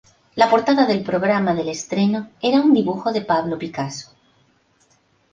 La portada del programa del estreno era un dibujo de Pablo Picasso.